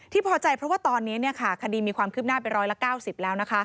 พอใจเพราะว่าตอนนี้คดีมีความคืบหน้าไป๑๙๐แล้วนะคะ